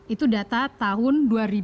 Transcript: itu data tahun dua ribu lima belas